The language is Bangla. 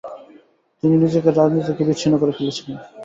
তিনি নিজেকে রাজনীতি থেকে বিচ্ছিন্ন করে ফেলেছিলেন।